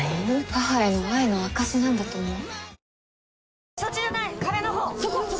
母への愛の証しなんだと思う。